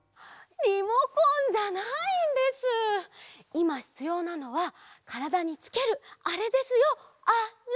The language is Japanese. いまひつようなのはからだにつけるあれですよあれ！